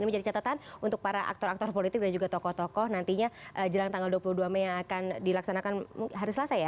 ini menjadi catatan untuk para aktor aktor politik dan juga tokoh tokoh nantinya jelang tanggal dua puluh dua mei yang akan dilaksanakan hari selasa ya